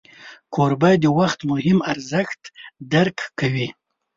کوربه د وخت مهم ارزښت درک کوي.